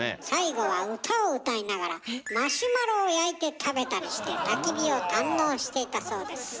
最後は歌を歌いながらマシュマロを焼いて食べたりしてたき火を堪能していたそうです。